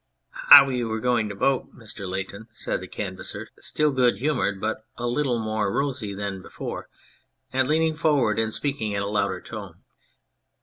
"How you were going to vote, Mr. Lay ton," said the Canvasser, still good humoured, but a little more rosy than before, and leaning forward and speaking in a louder tone.